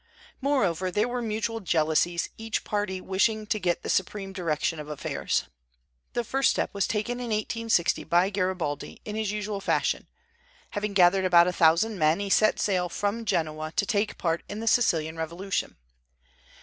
Moreover, there were mutual jealousies, each party wishing to get the supreme direction of affairs. The first step was taken in 1860 by Garibaldi, in his usual fashion. Having gathered about a thousand men, he set sail from Genoa to take part in the Sicilian revolution.